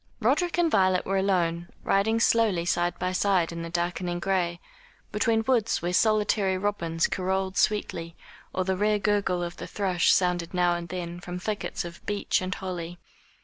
Roderick and Violet were alone, riding slowly side by side in the darkening gray, between woods where solitary robins carolled sweetly, or the rare gurgle of the thrush sounded now and then from thickets of beech and holly.